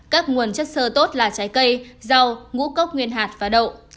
các nguồn chất sơ tốt là trái cây rau ngũ cốc nguyên hạt và đậu